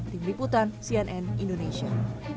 tim liputan cnn indonesia